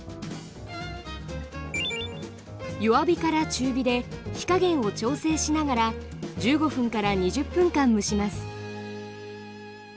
弱火中火で火加減を調整しながら１５２０分間蒸します。